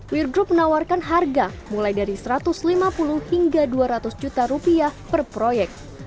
weir group menawarkan harga mulai dari satu ratus lima puluh hingga dua ratus juta rupiah per proyek